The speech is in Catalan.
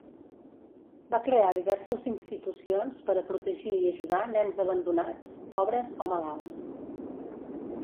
Va crear diverses institucions per a protegir i ajudar nens abandonats, pobres o malalts.